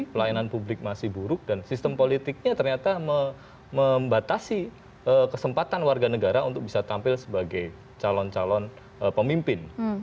pelayanan publik masih buruk dan sistem politiknya ternyata membatasi kesempatan warga negara untuk bisa tampil sebagai calon calon pemimpin